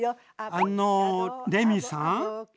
あのレミさん？